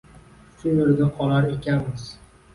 Shu yerda qolar ekanmiz